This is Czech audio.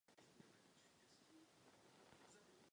Narodil se ve filipínské Manile.